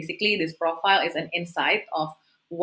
secara dasar profil ini adalah